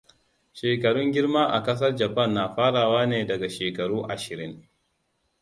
Shekarun girma a ƙasar Japan na farawa ne daga shekaru ashirin.